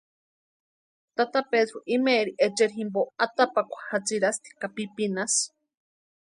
Tata Pedru imaeri echeri jimpo atapakwa jatsirasti ka pipinasï.